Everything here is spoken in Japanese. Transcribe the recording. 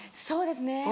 そうですね